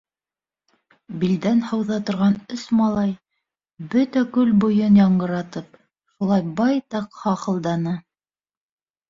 Билдән һыуҙа торған өс малай, бөтә күл буйын яңғыратып, шулай байтаҡ хахылданы.